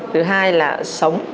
thứ hai là sống